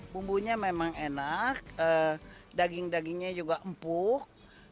bumbunya memang enak daging dagingnya juga empuk